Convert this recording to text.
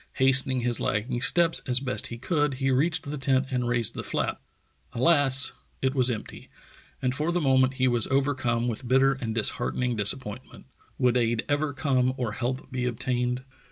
Hastening his lagging steps as best he could, he reached the tent and raised the flap. Alas! it was empty, and for the moment he was overcome with bitter and dis heartening disappointment. Would aid ever come or help be obtained?